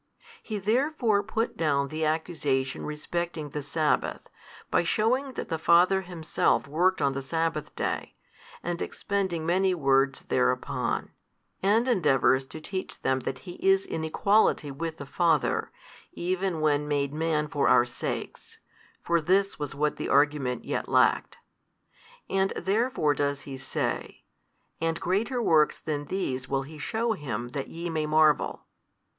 He therefore put down the accusation respecting the sabbath, by shewing that the Father Himself worked on the sabbath day, and expending many words thereupon: and endeavours to teach them that He is in Equality with the Father, even when made Man for our sakes (for this was what the argument yet lacked), and therefore does He say And greater works than these will He shew Him that YE may marvel.